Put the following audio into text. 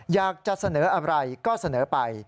อยากจะเสนออะไรก็เสนอไป